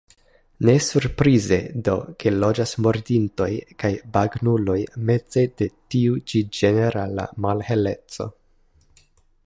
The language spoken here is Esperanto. Ne surprize do, ke loĝas murdintoj kaj bagnuloj meze de tiu ĉi ĝenerala malheleco.